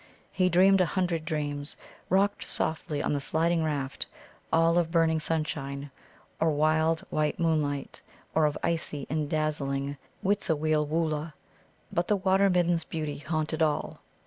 He dreamed a hundred dreams, rocked softly on the sliding raft, all of burning sunshine, or wild white moonlight, or of icy and dazzling Witzaweelwūlla; but the Water midden's beauty haunted all.